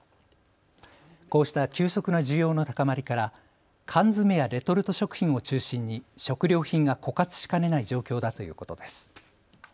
こうした急速な需要の高まりから缶詰やレトルト食品を中心に食料品が枯渇しかねない状況だということです。